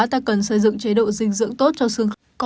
ta cần xây dựng chế độ dinh dưỡng tốt cho sương khớp